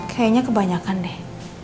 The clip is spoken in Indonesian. kayaknya kebanyakan deh